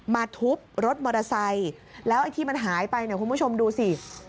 ทุบรถมอเตอร์ไซค์แล้วไอ้ที่มันหายไปเนี่ยคุณผู้ชมดูสิ